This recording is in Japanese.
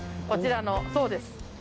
こちらのそうです